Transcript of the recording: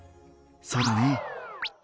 そうだね。